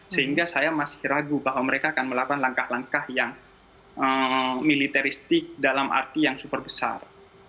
sehingga saya masih ragu bahwa mereka akan melakukan langkah langkah yang militeristik dalam arti yang super besar